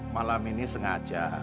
malam ini sengaja